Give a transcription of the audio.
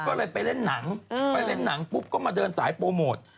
ก็เลยไปเล่นหนังไปเล่นหนังปุ๊บก็มาเดินสายโปรโมท